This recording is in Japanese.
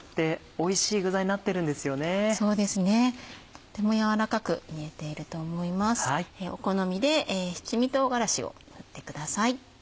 お好みで七味唐辛子を振ってください。